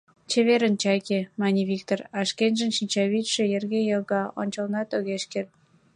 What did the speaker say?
— Чеверын, Чайке, — мане Виктор, а шкенжын шинчавӱдшӧ йырге йога, ончалынат огеш керт.